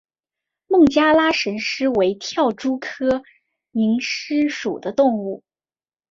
孟加拉蝇狮为跳蛛科蝇狮属的动物。